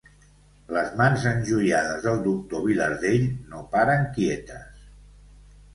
Les mans enjoiades del doctor Vilardell no paren quietes.